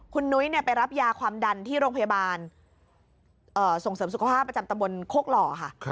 คุณนุ้ยไปรับยาความดันที่โรงพยาบาลส่งเสริมสุขภาพประจำตำบลโคกหล่อค่ะ